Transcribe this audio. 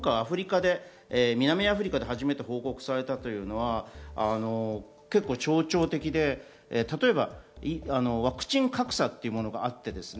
今回、南アフリカで初めて報告されたのは結構象徴的で、例えばワクチン格差というものがあります。